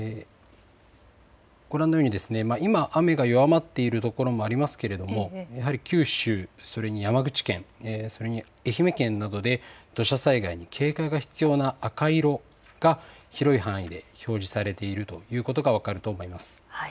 ご覧のように今、雨が弱まっているところもありますけれどもやはり九州、それに山口県、それに愛媛県などで土砂災害に警戒が必要な赤色が広い範囲で表示されているということが分かると思います。